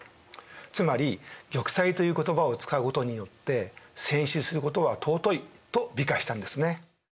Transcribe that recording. つまり「玉砕」という言葉を使うことによって戦死することは尊いと美化したんですね。